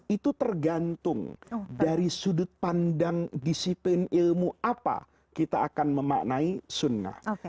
itu tergantung dari sudut pandang disiplin ilmu apa kita akan memaknai sunnah